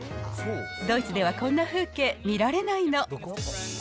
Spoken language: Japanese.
ドイツではこんな風景、見られないの。